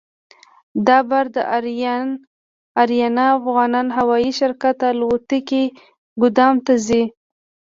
دا بار د اریانا افغان هوایي شرکت الوتکې ګودام ته ځي.